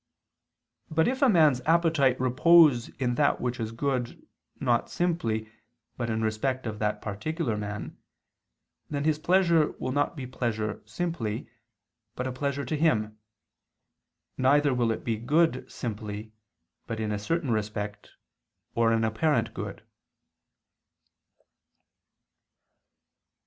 But if a man's appetite repose in that which is good, not simply, but in respect of that particular man, then his pleasure will not be pleasure simply, but a pleasure to him; neither will it be good simply, but in a certain respect, or an apparent good.